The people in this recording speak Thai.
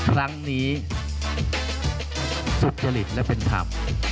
ครั้งนี้สุจริตและเป็นธรรม